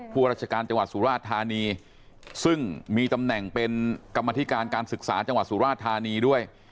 ราชการจังหวัดสุราชธานีซึ่งมีตำแหน่งเป็นกรรมธิการการศึกษาจังหวัดสุราชธานีด้วย